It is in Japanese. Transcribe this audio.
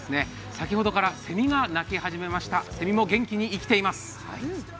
先ほどから、セミが鳴き始めましたセミも元気に生きています！